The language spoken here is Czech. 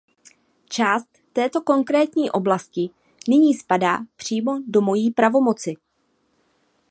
Část této konkrétní oblasti nyní spadá přímo do mojí pravomoci.